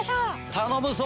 頼むぞ！